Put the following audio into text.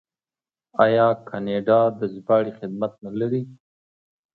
آیا کاناډا د ژباړې خدمات نلري؟